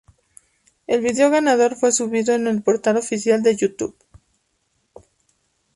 El video ganador fue subido en el portal oficial en YouTube.